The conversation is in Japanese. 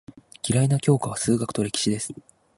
嫌いな教科は数学と歴史です。